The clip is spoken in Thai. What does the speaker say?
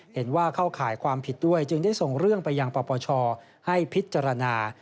เห็นว่าเข้าข่ายความผิดด้วยจึงได้ส่งเรื่องไปยังปปชให้พิจารณา